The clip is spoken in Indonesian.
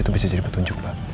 itu bisa jadi petunjuk mbak